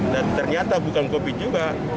dan ternyata bukan covid sembilan belas juga